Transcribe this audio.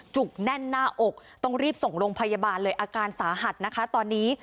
จุกแน่นหน้าอกต้องรีบส่งลงพยาบาลเลยอาการสาหัสนะคะตอนนี้